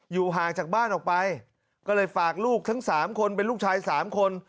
ห่างจากบ้านออกไปก็เลยฝากลูกทั้ง๓คนเป็นลูกชาย๓คน